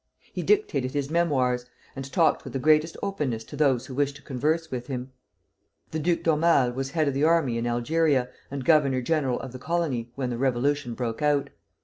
He dictated his Memoirs, and talked with the greatest openness to those who wished to converse with him. The Duc d'Aumale was head of the army in Algeria, and governor general of the colony, when the Revolution broke out.